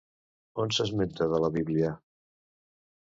On s'esmenta de la Bíblia?